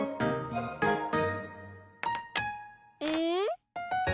うん？